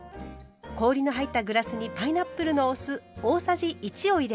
氷の入ったグラスにパイナップルのお酢大さじ１を入れます。